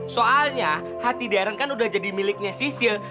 soalnya hati deren kan udah jadi miliknya sisil